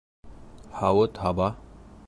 Һауыт-һаба